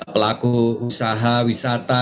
pelaku usaha wisata